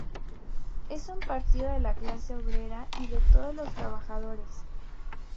Es un partido de la clase obrera y de todos los trabajadores.